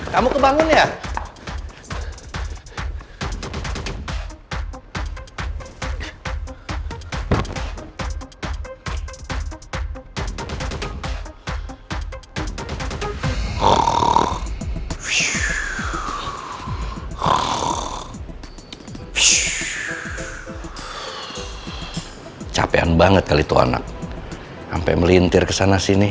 kamu kebangun ya